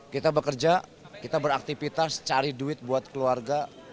kita bekerja kita beraktivitas cari duit buat keluarga